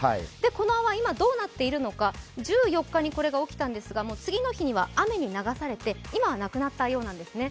この泡、今どうなっているのか、１４日にこれが起きたんですが次の日には雨に流されて今はなくなったそうなんですね。